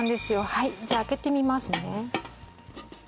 はいじゃ開けてみますね